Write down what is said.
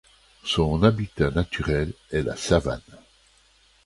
Son habitat naturel est la savane.